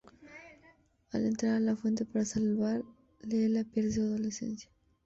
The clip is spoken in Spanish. Al entrar a la fuente para salvarlos, Leela pierde su adolescencia.